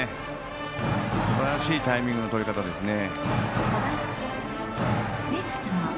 すばらしいタイミングのとり方ですね。